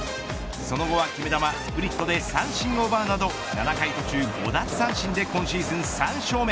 その後は決め球スプリットで三振を奪うなど７回途中５奪三振で今シーズン３勝目。